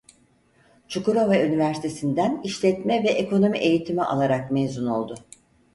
Çukurova Üniversitesinden işletme ve ekonomi eğitimi alarak mezun oldu.